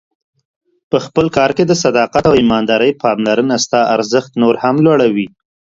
په خپل کار کې د صداقت او ایماندارۍ پاملرنه ستا ارزښت نور هم لوړوي.